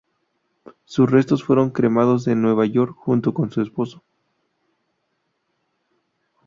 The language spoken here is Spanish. Sus restos fueron cremados en Nueva York, junto con su esposo.